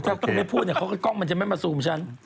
ถ้าต้องไม่พูดเดี๋ยวก็กล้องมันจะไม่มาซูมฉัน